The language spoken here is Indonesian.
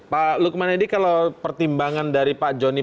pak lukman edi kalau pertimbangan dari pak joni